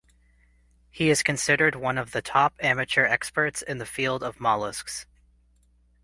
He is considered one of the top amateur experts in the field of mollusks.